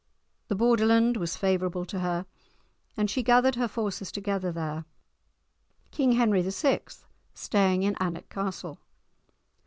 The Borderland was favourable to her, and she gathered her forces together there, King Henry VI. staying in Alnwick Castle.